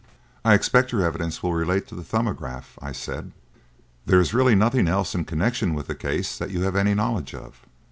"I expect your evidence will relate to the 'Thumbograph,'" I said. "There is really nothing else in connection with the case that you have any knowledge of."